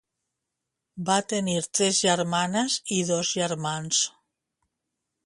Va tenir tres germanes i dos germans.